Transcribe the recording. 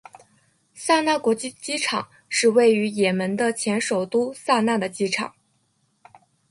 萨那国际机场是位于也门的前首都萨那的机场。